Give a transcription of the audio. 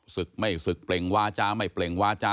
ศึกไม่ศึกเปล่งวาจาไม่เปล่งวาจา